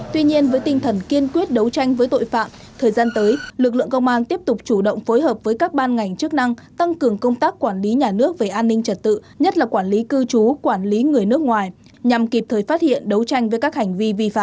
tuy nhiên với tinh thần kiên quyết đấu tranh với tội phạm thời gian tới lực lượng công an tiếp tục chủ động phối hợp với các ban ngành chức năng tăng cường công tác quản lý nhà nước về an ninh trật tự nhất là quản lý cư trú quản lý người nước ngoài nhằm kịp thời phát hiện đấu tranh với các hành vi vi phạm